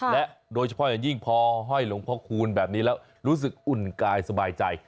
และโดยเฉพาะอย่างยิ่งพอห้อยหลวงพ่อคูณแบบนี้แล้วรู้สึกอุ่นกายสบายใจ